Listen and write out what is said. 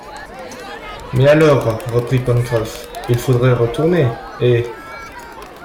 Mais alors, reprit Pencroff, il faudrait retourner, et..